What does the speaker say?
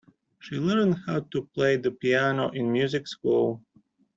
She learned how to play the piano in music school.